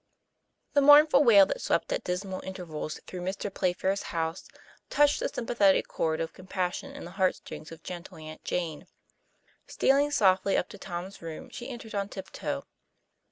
THE mournful wail that swept at dismal intervals through Mr. Playfair's house touched the sym pathetic chord of compassion in the heartstrings of gentle Aunt Jane. Stealing softly up to Tom's room, she entered on tiptoe.